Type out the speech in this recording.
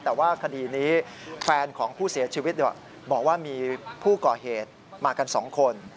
แต่ว่าคดีนี้แฟนของผู้เสียชีวิตบอกว่ามีผู้ก่อเหตุมากัน๒คน